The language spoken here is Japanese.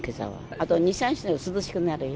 あと２、３日したら涼しくなるよ。